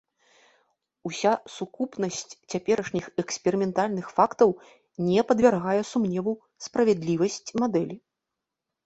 Уся сукупнасць цяперашніх эксперыментальных фактаў не падвяргае сумневу справядлівасць мадэлі.